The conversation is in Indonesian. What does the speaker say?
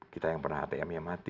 kita yang pernah atm nya mati